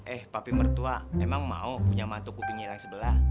eh papi mertua emang mau punya mantu kupinggilan sebelah